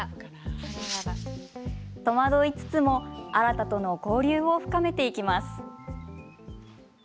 戸惑いつつも新汰との交流を深めていきます。